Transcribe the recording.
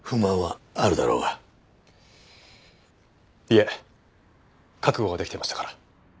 いえ覚悟はできてましたから。